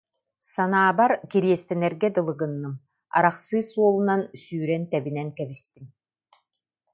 Санаабар, кириэстэнэргэ дылы гынным, арахсыы суолунан сүүрэн тэбинэн кэбистим